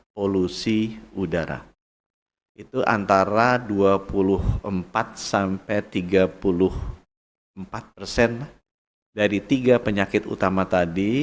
polusi udara itu antara dua puluh empat sampai tiga puluh empat persen dari tiga penyakit utama tadi